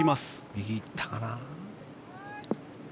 右に行ったかな。